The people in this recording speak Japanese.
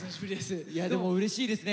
いやでもうれしいですね